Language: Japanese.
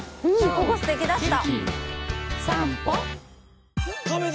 ここすてきだった。